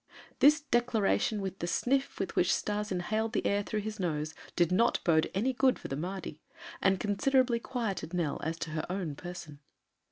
This declaration with the sniff with which Stas inhaled the air through his nose, did not bode any good for the Mahdi and considerably quieted Nell as to her own person.